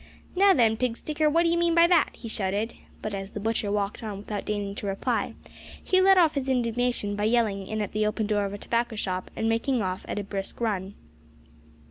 "Now then, pig sticker, what d'ye mean by that?" he shouted, but as the butcher walked on without deigning to reply, he let off his indignation by yelling in at the open door of a tobacco shop and making off at a brisk run.